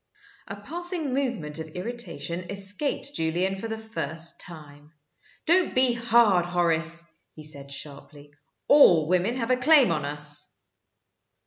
A passing movement of irritation escaped Julian for the first time. "Don't be hard, Horace," he said, sharply. "All women have a claim on us."